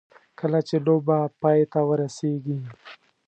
کله چې لوبه پای ته ورسېږي.